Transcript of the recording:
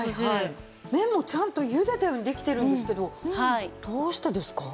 麺もちゃんとゆでたようにできてるんですけどどうしてですか？